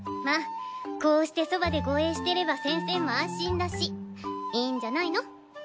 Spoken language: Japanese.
まあこうしてそばで護衛してれば先生も安心だしいいんじゃないの？